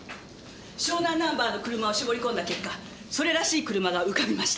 湘南ナンバーの車を絞り込んだ結果それらしい車が浮かびました。